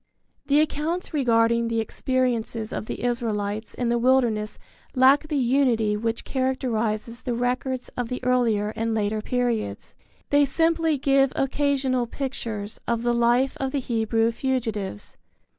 The accounts regarding the experiences of the Israelites in the wilderness lack the unity which characterizes the records of the earlier and later periods. They simply give occasional pictures of the life of the Hebrew fugitives.